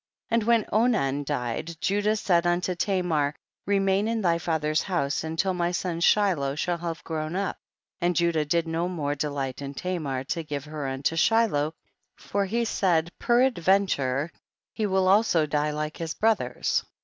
27. And when Onan died, Judah said unto Tamar, remain in thy fa ther's house until my son Shiloh shall have grown up, and Judah did no more delight in Tamarj to give her unto Shiloh, for he said, perad ven ture he will also die like his brothers.